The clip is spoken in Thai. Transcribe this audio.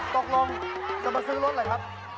ตกลงจะมาซื้อรถอะไรครับ